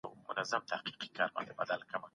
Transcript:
کله چي مېلمه راننوتی، نو ټوله ورته پورته سول.